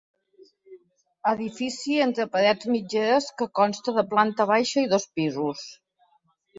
Edifici entre parets mitgeres que consta de planta baixa i dos pisos.